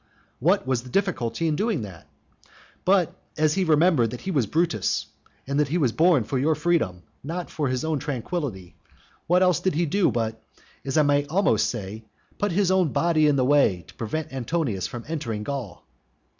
What was the difficulty of doing that? But as he remembered that he was Brutus, and that he was born for your freedom, not for his own tranquillity, what else did he do but as I may almost say put his own body in the way to prevent Antonius from entering Gaul?